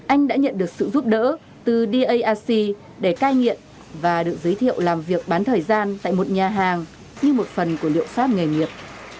anh đã nhận được sự giúp đỡ từ dac để cai nghiện và được giới thiệu làm việc bán thời gian tại một nhà hàng như một phần của liệu pháp nghề nghiệp